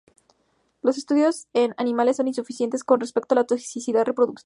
Los estudios en animales son insuficientes con respecto a la toxicidad reproductiva.